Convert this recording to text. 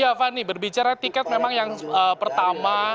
ya fani berbicara tiket memang yang pertama